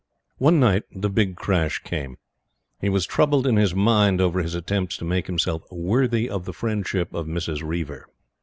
One night, the big crash came. He was troubled in his own mind over his attempts to make himself "worthy of the friendship" of Mrs. Reiver.